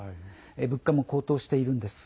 物価も高騰しているんです。